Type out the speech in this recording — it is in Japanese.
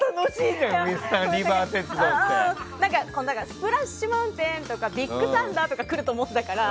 スプラッシュ・マウンテンとかビッグサンダーとかくると思ってたから。